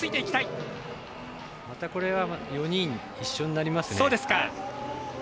またこれは４人一緒になりますね。